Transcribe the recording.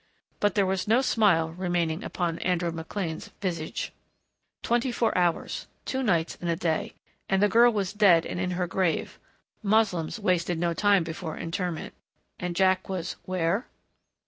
But there was no smile remaining upon Andrew McLean's visage. Twenty four hours. Two nights and a day.... And the girl was dead and in her grave Moslems wasted no time before interment and Jack was where?